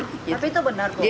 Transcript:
tapi itu benar kok